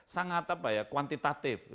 sangat apa ya kuantitatif